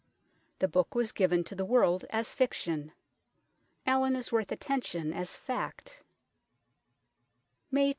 The book was given to the world as fiction. Allin is worth attention as fact. " May 26.